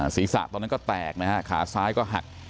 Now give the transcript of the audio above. ศีรษะตอนนั้นก็แตกนะฮะขาซ้ายก็หัก